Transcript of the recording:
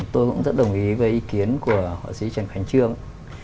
tôi cũng rất đồng ý với ý kiến của họa sĩ trần khánh trương